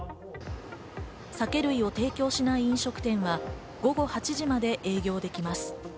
酒類は提供しない飲食店は午後８時まで営業できます。